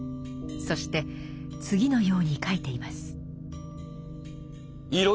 そして次のように書いています。